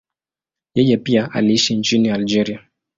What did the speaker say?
Yeye pia aliishi nchini Algeria.